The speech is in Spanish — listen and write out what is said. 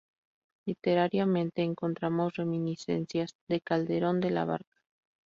Literariamente, encontramos reminiscencias de Calderón de la Barca.